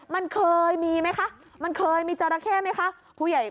มันเคยมีไหมคะมันเคยมีจราเข้ไหมคะ